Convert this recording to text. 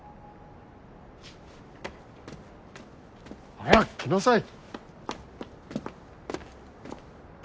早く来なさい！